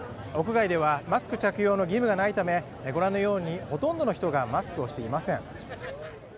屋外ではマスク着用の義務がないため、ご覧のように、ほとんどの人がマスクをしていません。